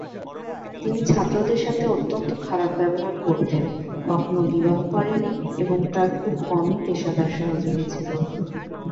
তিনি ছাত্রদের সাথে অত্যন্ত খারাপ ব্যবহার করতেন, কখনো বিবাহ করেননি, এবং তাঁর খুব কমই পেশাদার সহযোগী ছিল।